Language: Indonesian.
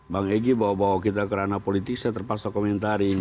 bang egy bahwa kita karena politik saya terpaksa komentari